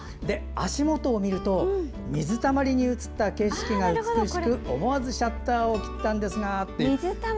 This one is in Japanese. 足元を見ると水たまりに映った景色が美しく思わずシャッターを切ったんですがという。